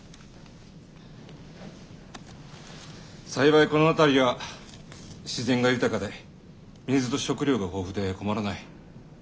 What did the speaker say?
幸いこの辺りは自然が豊かで水と食料が豊富で困らない。